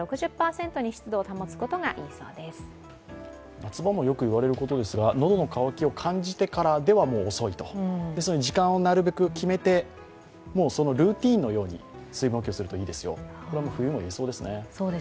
夏場もよく言われることですが、喉の渇きを感じてからではもう遅いと、ですので、時間をなるべく決めて、ルーティーンのように水分補給をするといいですよ、これは冬も言えそうですね。